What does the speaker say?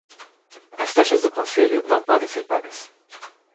As taxas do conselho não podem ser pagas.